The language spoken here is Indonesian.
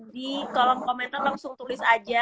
di kolom komentar langsung tulis aja